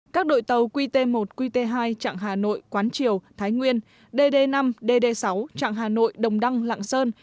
các đội tàu qt một qt hai chặng hà nội quán triều thái nguyên dd năm dd sáu chặng hà nội đồng đăng lạng sơn